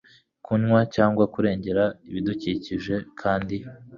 kunywa cyangwa kurengera ibidukikije kandi